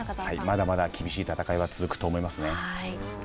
まだまだ厳しい戦いは続くと思いますね。